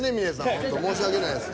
ほんと申し訳ないです。